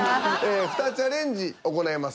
２チャレンジ行います。